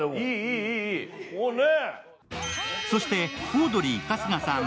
そして、オードリー春日さん